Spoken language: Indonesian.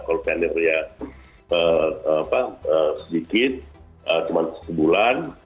kalau tenornya sedikit cuma satu bulan